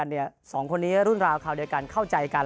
เพราะว่าอันนี้ก็รุ่นราวเขาเค้าใดกันเข้าใจกัน